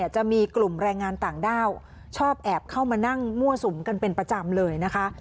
จะมีกลุ่มแรงงานต่างด้าวชอบแอบเข้ามานั่งมั่วสุมกันเป็นประจำเลยนะคะ